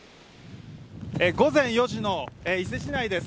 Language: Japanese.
午前４時の伊勢市内です。